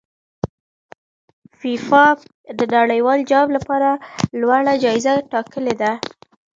فیفا د نړیوال جام لپاره لوړه جایزه ټاکلې ده.